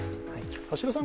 橋田さん